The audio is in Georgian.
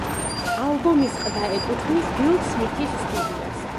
ალბომის ყდა ეკუთვნის ბილ სმითის სტუდიას.